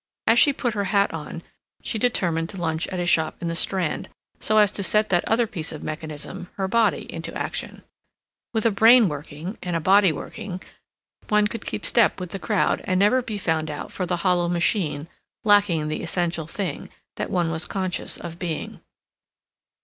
As she put her hat on she determined to lunch at a shop in the Strand, so as to set that other piece of mechanism, her body, into action. With a brain working and a body working one could keep step with the crowd and never be found out for the hollow machine, lacking the essential thing, that one was conscious of being.